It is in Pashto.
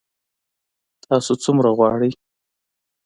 تاسو څومره غواړئ؟